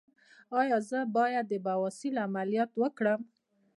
ایا زه باید د بواسیر عملیات وکړم؟